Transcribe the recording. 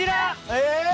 えっ！？